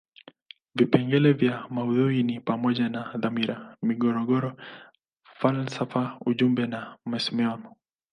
Vipengele vya maudhui ni pamoja na dhamira, migogoro, falsafa ujumbe na msimamo.